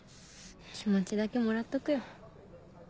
気持ちだけもらっとくよ。